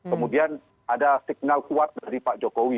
kemudian ada signal kuat dari pak jokowi